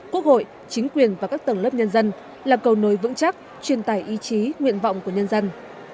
quốc hội chính quyền và các tầng lớp nhân dân là cầu nối vững chắc truyền tải ý chí nguyện vọng của nhân dân